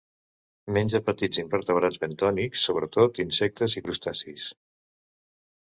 Menja petits invertebrats bentònics, sobretot insectes i crustacis.